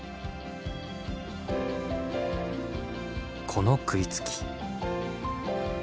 この食いつき。